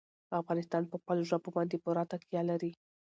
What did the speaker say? افغانستان په خپلو ژبو باندې پوره تکیه لري.